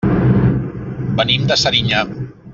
Venim de Serinyà.